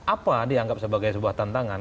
apa dianggap sebagai sebuah tantangan